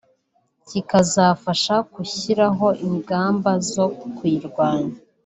kikazafasha gushyiraho ingamba zo kuyirwanya